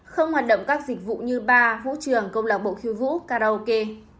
không hoạt động các dịch vụ như bar vũ trường công lạc bộ khiêu vũ karaoke